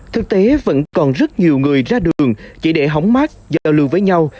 thực tế vẫn còn rất nhiều người ra đường chỉ để hóng mát giao lưu với nhau